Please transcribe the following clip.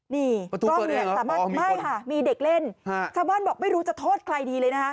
นี่กล้องเนี่ยสามารถไม่ค่ะมีเด็กเล่นชาวบ้านบอกไม่รู้จะโทษใครดีเลยนะคะ